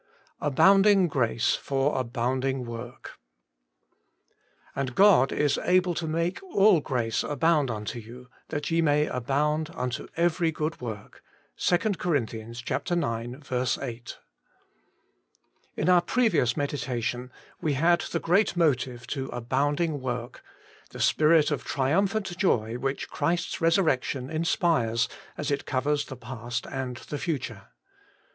XIV BbovinDtng Grace tor HbounDing Ximorft ' And God is able to make all grace abound unto you, that ye may abound unto every good work.' — 2 Cor. ix. 8. IN our previous meditation we had the great motive to abounding work — ^the spirit of triumphant joy which Christ's resurrection inspires as it covers the past and the future.